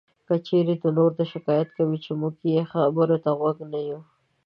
که چېرې نور دا شکایت کوي چې مونږ یې خبرو ته غوږ نه یو